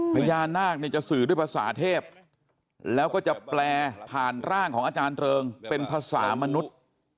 พญานาคเนี่ยจะสื่อด้วยภาษาเทพแล้วก็จะแปลผ่านร่างของอาจารย์เริงเป็นภาษามนุษย์